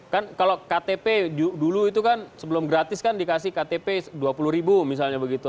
kan kalau ktp dulu itu kan sebelum gratis kan dikasih ktp dua puluh ribu misalnya begitu